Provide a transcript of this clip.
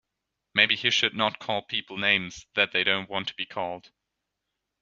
Maybe he should not call people names that they don't want to be called.